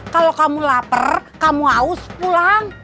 kalau kamu lapar kamu haus pulang